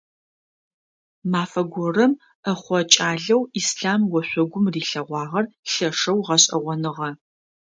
Мафэ горэм ӏэхъо кӏалэу Ислъам ошъогум рилъэгъуагъэр лъэшэу гъэшӏэгъоныгъэ.